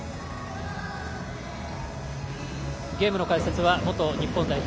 ゲームの解説は元日本代表